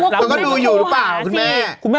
เขาก็รู้ว่าคุณแม่ไม่โทรหาสิ